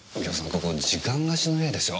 ここ時間貸しの部屋ですよ？